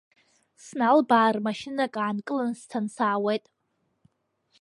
Сналбаар, машьынак аанкыланы сцаны саауеит…